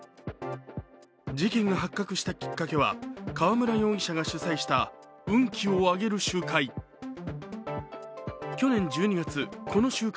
事件が発覚したきっかけは、川村容疑者が主催した運気を上げる集会。